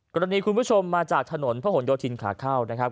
คุณผู้ชมมาจากถนนพระหลโยธินขาเข้านะครับ